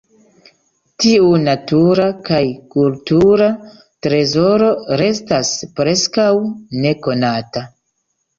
Tiu natura kaj kultura trezoro restas preskaŭ nekonata.